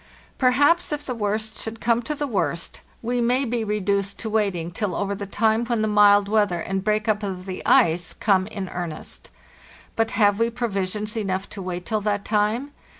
Perhaps, if the worst should come to the worst, we may be reduced to waiting till over the time when the mild weather and break up of the ice come in earnest. But have we provisions enough to wait till that time?